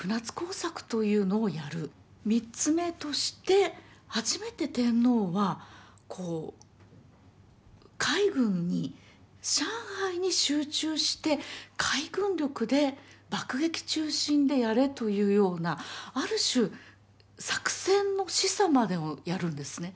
３つ目として初めて天皇は海軍に上海に集中して海軍力で爆撃中心でやれというようなある種作戦の示唆までをやるんですね。